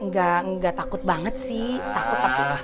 nggak takut banget sih takut tapi